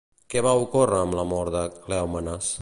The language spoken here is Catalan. Què va ocórrer amb la mort de Cleòmenes?